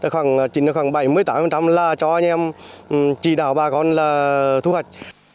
khoảng chín mươi tám là cho anh em chỉ đạo bà con là thu hoạch